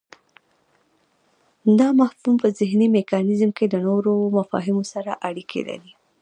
دا مفهوم په ذهني میکانیزم کې له نورو مفاهیمو سره اړیکی لري